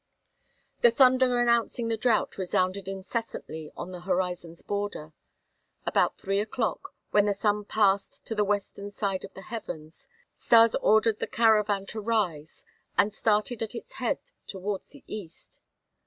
The thunder announcing the drought resounded incessantly on the horizon's border. About three o'clock, when the sun passed to the western side of the heavens, Stas ordered the caravan to rise and started at its head towards the east.